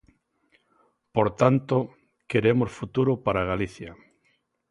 Por tanto, queremos futuro para Galicia.